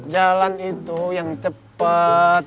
jalan itu yang cepat